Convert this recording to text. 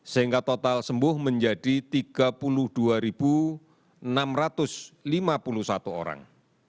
sehingga total sembuh menjadi tiga puluh dua enam ratus lima puluh satu orang